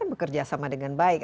bekerjasama dengan baik